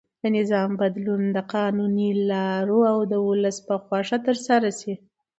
د نظام بدلون باید د قانوني لارو او د ولس په خوښه ترسره شي.